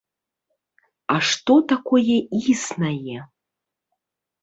А што такое існае?